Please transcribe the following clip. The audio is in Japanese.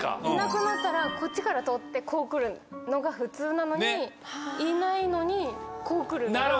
いなくなったらこっちから撮ってこう来るのが普通なのにいないのにこう来るのが。